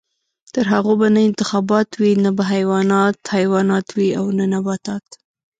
تر هغو به نه انتخابات وي، نه به حیوانات حیوانات وي او نه نباتات.